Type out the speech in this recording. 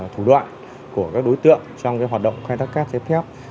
thủ đoạn của các đối tượng trong hoạt động khai thác cát chế phép